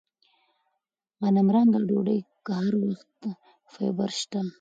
غنمرنګه ډوډۍ کې هر وخت فایبر شته.